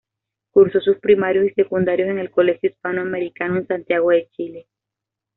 Cursó sus primarios y secundarios en el Colegio Hispano Americano, en Santiago de Chile.